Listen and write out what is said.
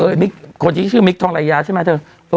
ตอนนี้เออมิสคนที่ชื่อมิสทองไหลยาใช่ไหมเออเธอ